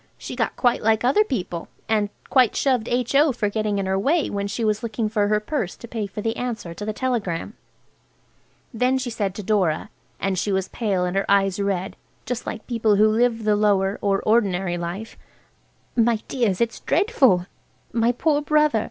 She got quite like other people, and quite shoved H.O. for getting in her way when she was looking for her purse to pay for the answer to the telegram. Then she said to Dora–and she was pale and her eyes red, just like people who live the lower or ordinary life–"My dears, it's dreadful! My poor brother!